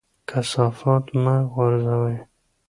کثافات مه غورځوئ.